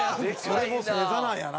それもう正座なんやな。